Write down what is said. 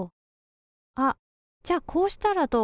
あっじゃあこうしたらどうかな？